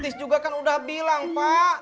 tis juga kan udah bilang pak